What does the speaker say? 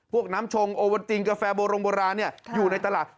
พวกน้ำชงโอเวอร์ตินกาแฟโบรงโบราณอยู่ในตลาด